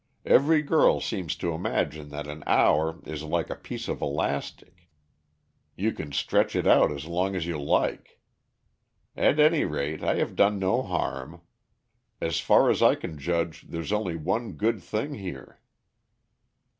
Every girl seems to imagine that an hour is like a piece of elastic you can stretch it out as long as you like. At any rate I have done no harm. As far as I can judge there's only one good thing here."